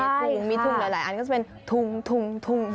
ใช่ค่ะมีทุ่งหลายอันก็จะเป็นทุ่งทุ่ง